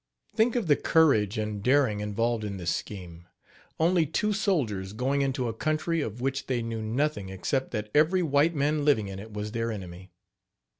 Think of the courage and daring involved in this scheme only two soldiers going into a country of which they knew nothing except that every white man living in it was their enemy.